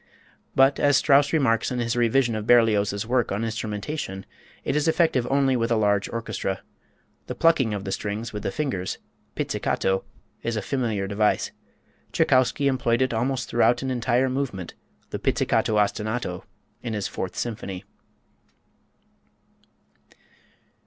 But, as Strauss remarks in his revision of Berlioz's work on instrumentation, it is effective only with a large orchestra. The plucking of the strings with the fingers pizzicato is a familiar device. Tschaikowski employed it almost throughout an entire movement, the "Pizzicato Ostinato" in his Fourth Symphony.